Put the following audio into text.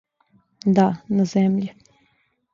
Да, на земљи!